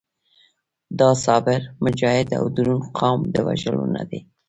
دا صابر، مجاهد او دروند قام د وژلو نه دی.